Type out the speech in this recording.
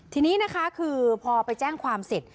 ทีนี้นะคะคือพอไปแจ้งความเสร็จ